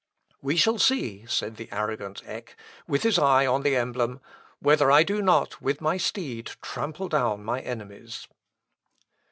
"We shall see," said the arrogant Eck, with his eye on the emblem, "whether I do not, with my steed, trample down my enemies."